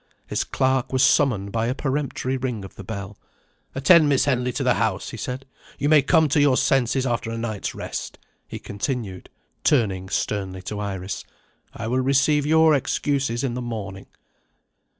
His clerk was summoned by a peremptory ring of the bell. "Attend Miss Henley to the house," he said. "You may come to your senses after a night's rest," he continued, turning sternly to Iris. "I will receive your excuses in the morning."